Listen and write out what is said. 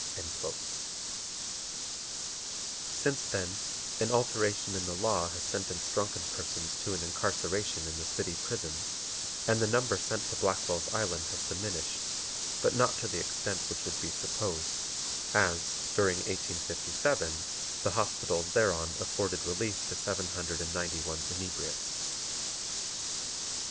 " Since then an alteration in the law has sentenced drunken persons to an incarceration in the City Prison, and the number sent to Blackwell's Island has diminished, but not to the extent which would be supposed, as, during 1857, the hospitals thereon afforded relief to seven hundred and ninety one inebriates.